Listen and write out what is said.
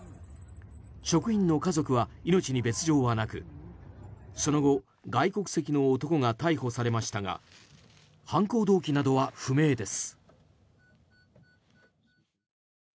職員の家族は命に別条はなくその後、外国籍の男が逮捕されましたが犯行動機などは不明です。